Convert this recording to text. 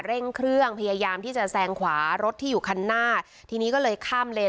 เร่งเครื่องพยายามที่จะแซงขวารถที่อยู่คันหน้าทีนี้ก็เลยข้ามเลน